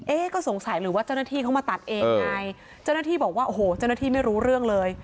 ก็สงสัยหรือว่าเจ้าหน้าที่เขามาตัดเองไงเจ้าหน้าที่บอกว่าโอ้โหเจ้าหน้าที่ไม่รู้เรื่องเลย